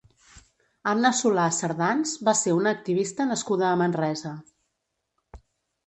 Anna Solà Sardans va ser una activista nascuda a Manresa.